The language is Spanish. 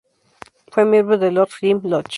Fue miembro del Lord Jim Lodge.